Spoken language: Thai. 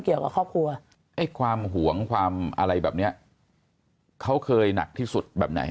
เกี่ยวกับครอบครัวไอ้ความหวงความอะไรแบบเนี้ยเขาเคยหนักที่สุดแบบไหน